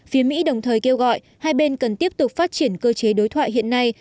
phía mỹ đồng thời kêu gọi hai bên cần tiếp tục phát triển cơ chế đối thoại hiện nay